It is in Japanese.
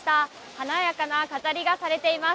華やかな飾りがされています。